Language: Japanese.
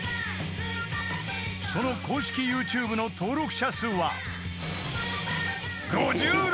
［その公式ＹｏｕＴｕｂｅの登録者数は］